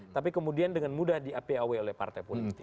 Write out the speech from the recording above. tapi kemudian dengan mudah di apaw oleh partai politik